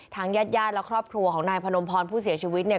ญาติญาติและครอบครัวของนายพนมพรผู้เสียชีวิตเนี่ย